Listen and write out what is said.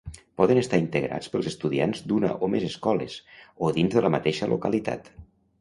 Poden estar integrats pels estudiants d'una o més escoles, o dins de la mateixa localitat.